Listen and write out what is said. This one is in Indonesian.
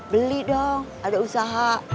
beli dong ada usaha